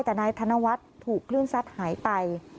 แต่นายธนวัฒน์ถูกคลื่นซัดหายไป